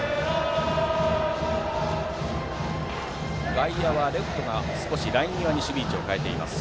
外野はレフトが少しライン際に守備位置を変えています。